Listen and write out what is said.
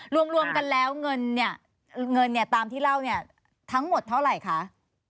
รวมกันแล้วเงินเนี่ยเงินเนี่ยตามที่เล่าเนี่ยทั้งหมดเท่าไหร่คะ